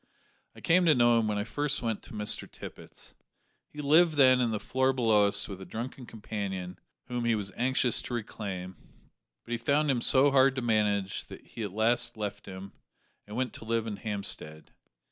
I came to know him when I first went to Mr Tippet's. He lived then in the floor below us with a drunken companion whom he was anxious to reclaim; but he found him so hard to manage that he at last left him, and went to live in Hampstead.